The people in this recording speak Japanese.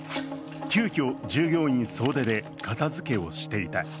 急きょ、従業員総出で片づけをしていた。